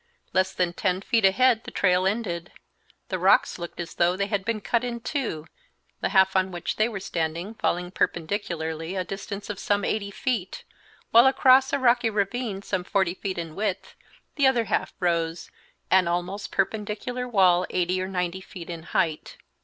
Less than ten feet ahead the trail ended. The rocks looked as though they had been cut in two, the half on which they were standing falling perpendicularly a distance of some eighty feet, while across a rocky ravine some forty feet in width, the other half rose, an almost perpendicular wall eighty or ninety feet in height.